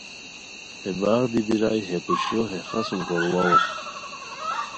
ہے باغ دی بیرائے ہے پوشیو ہے خاڅوم گور واؤو